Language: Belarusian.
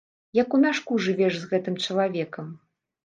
Як у мяшку жывеш з гэтым чалавекам.